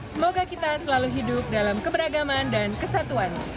semoga kita selalu hidup dalam keberagaman dan kesatuan